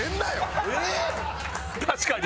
確かに。